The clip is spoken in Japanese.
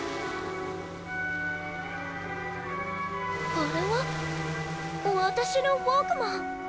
アレは私の「ウォークマン」。